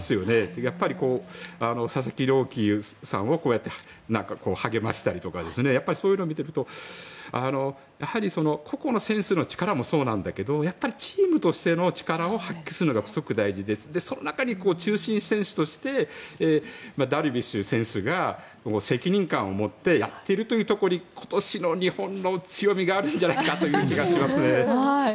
やっぱり佐々木朗希さんをこうやって励ましたりとかそういうのを見ているとやはり、個々の選手の力もそうなんだけどチームとしての力を発揮するのがすごく大事でその中に中心選手としてダルビッシュ選手が責任感を持ってやっているというところに今年の日本の強みがあるんじゃないかという気がしますね。